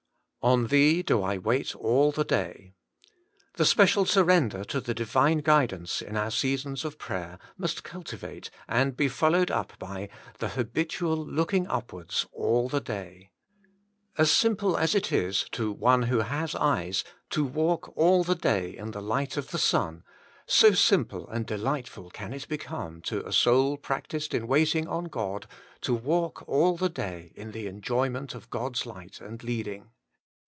* On Thee do I wait all the day.' The special surrender to the Divine guidance in our seasons of prayer must cultivate, and be followed up by, the habitual looking upwards *all the day.* As simple as it is, to one who has eyes, to walk all the day in the light of the sun, so simple and delightful can it become to a soul practised in waiting on God, to walk all the day in the enjoyment of God's light and leading.